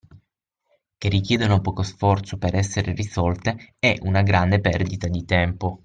Che richiedono poco sforzo per essere risolte è una gran perdita di tempo.